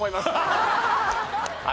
ハハハッ！